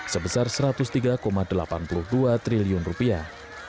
sebesar satu ratus tiga delapan puluh dua triliun rupiah